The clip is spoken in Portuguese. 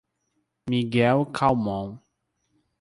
Miguel Calmon